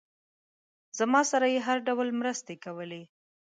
زما سره یې هر ډول مرستې کولې.